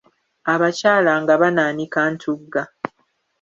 Abakyala nga banaanika ntugga.